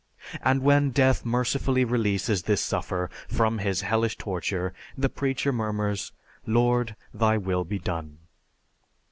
And when death mercifully releases this sufferer from his hellish torture the preacher murmurs, "Lord, thy will be done."